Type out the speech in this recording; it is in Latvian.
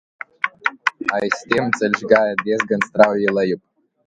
Aiz tiem ceļš gāja diezgan strauji lejup.